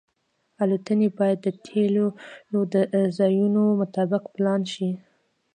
الوتنې باید د تیلو د ځایونو مطابق پلان شي